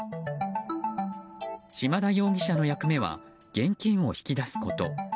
島田容疑者の役目は現金を引き出すこと。